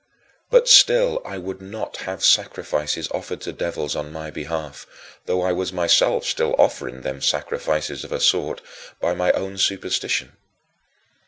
But still I would not have sacrifices offered to devils on my behalf, though I was myself still offering them sacrifices of a sort by my own [Manichean] superstition.